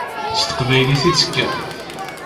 S teqbaylit i d-tekker.